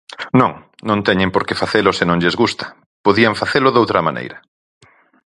Non, non teñen por que facelo se non lles gusta, podían facelo doutra maneira.